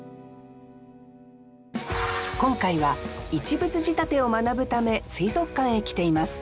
今回は「一物仕立て」を学ぶため水族館へ来ています。